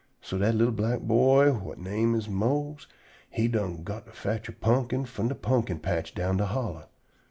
So dat li'l black boy whut he name is Mose he done got to fotch a pumpkin from de pumpkin patch down de hollow.